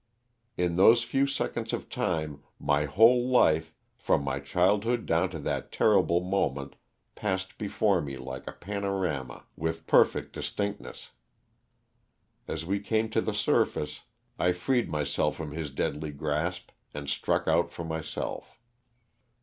Ir: those few seconds of time my whole life, from my child hood down to that terrible moment, passed before mt like a panorama with perfect distinctness. As we came to the surface I freed myself from his deadly grasp and struck out for myself.